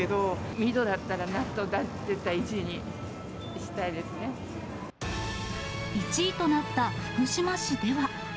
水戸だったら納豆が絶対１位１位となった福島市では。